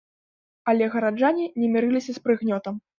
Але гараджане не мірыліся з прыгнётам.